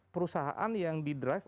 perusahaan yang di drive